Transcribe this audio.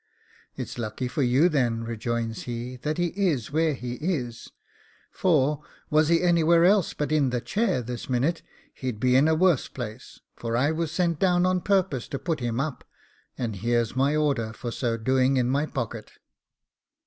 'It's lucky for you, then,' rejoins he, 'that he is where he is; for was he anywhere else but in the chair, this minute he'd be in a worse place; for I was sent down on purpose to put him up, and here's my order for so doing in my pocket.